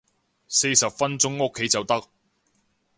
四十分鐘屋企就得